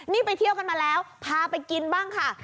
นี่ไปเที่ยวกันมาแล้วพาไปกินบ้างค่ะ